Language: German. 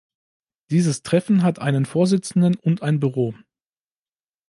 Dieses Treffen hat einen Vorsitzenden und ein Büro.